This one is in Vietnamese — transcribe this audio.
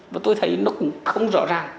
và tôi thấy nó cũng không rõ ràng